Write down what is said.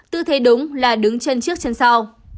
tư thế đúng là đứng chân trước chân sau